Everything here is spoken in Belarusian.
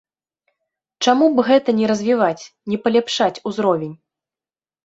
Чаму б гэта не развіваць, не паляпшаць узровень?